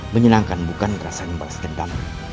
menyenangkan bukan rasanya balas dendam